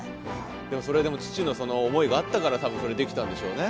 それでも父の思いがあったから多分それできたんでしょうね。